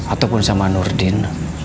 ataupun sama nordin